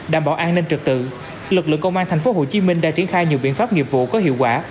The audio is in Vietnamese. đảm bảo an ninh trực tự lực lượng công an tp hcm đã triển khai nhiều biện pháp nghiệp vụ có hiệu quả